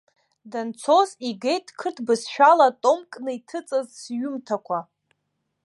Данцоз игеит қырҭ бызшәала томкны иҭыҵыз сҩымҭақәа.